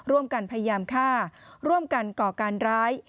ร่วมกันพยายามฆ่าร่วมกันก่อการร้าย